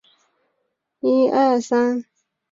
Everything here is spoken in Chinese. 印威内斯一般被看作是高地的首府。